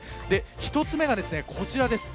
１つ目がこちらです。